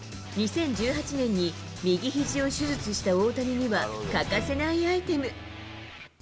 ２０１８年に右ひじを手術した大谷には、欠かせないアイテム。